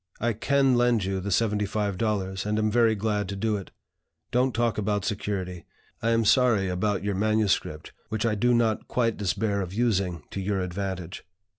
I can lend you the seventy five dollars, and am very glad to do it. Don't talk about security. I am sorry about your MSS., which I do not quite despair of using to your advantage.